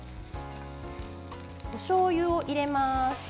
おしょうゆを入れます。